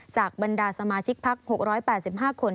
จากบรรดาสมาชิกภักดิ์๖๘๕คน